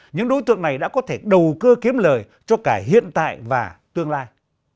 những đối tượng này đã có thể đầu cơ kiếm lời cho cả hiện tại và tương lai